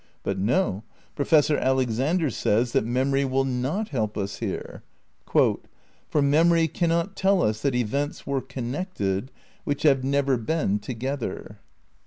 But no ; Professor Alexander says that memory will not help us here. "For memory cannot tell us that events were connected which have never been together."